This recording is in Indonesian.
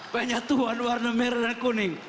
banyak tuhan warna merah dan kuning